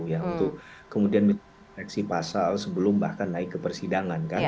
yang itu kemudian reaksi pasal sebelum bahkan naik ke persidangan kan